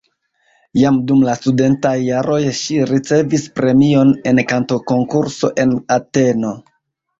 Jam dum la studentaj jaroj ŝi ricevis premion en kantokonkurso en Ateno.